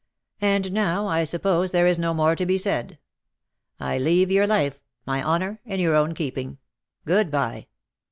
And now I suppose there is no more to be said. I leave your life, my honour, in your own keeping. Good bye.